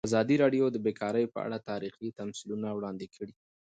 ازادي راډیو د بیکاري په اړه تاریخي تمثیلونه وړاندې کړي.